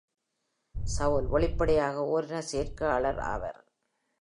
சவுல் வெளிப்படையாக ஓரின சேர்க்கையாளர் ஆவார்.